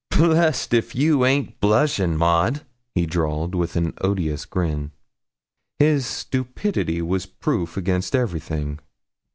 'Blessed if you baint a blushin', Maud,' he drawled, with an odious grin. His stupidity was proof against everything.